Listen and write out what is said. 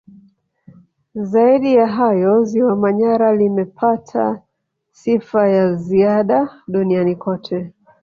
Zaidi ya hayo Ziwa Manyara limepata sifa ya ziada duniani kote